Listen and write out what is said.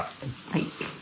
はい。